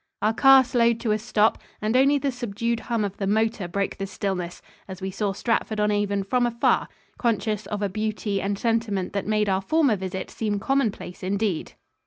Our car slowed to a stop, and only the subdued hum of the motor broke the stillness as we saw Stratford on Avon from afar, conscious of a beauty and sentiment that made our former visit seem commonplace indeed.